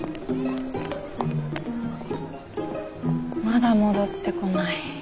まだ戻ってこない。